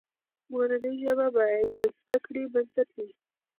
مورنۍ ژبه باید د زده کړې بنسټ وي.